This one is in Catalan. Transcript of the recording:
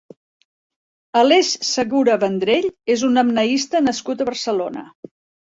Aleix Segura Vendrell és un apneista nascut a Barcelona.